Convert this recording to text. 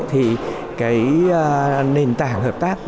thì cái nền tảng hợp tác